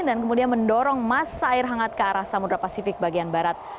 dan kemudian mendorong masa air hangat ke arah samudera pasifik bagian barat